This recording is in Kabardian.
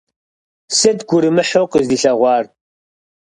Сыт гурымыхьу къыздилъэгъуар?